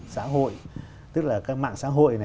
xã hội tức là các mạng xã hội